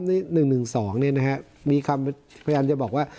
นี่หนึ่งหนึ่งสองเนี้ยนะฮะมีคำพยานจะบอกว่า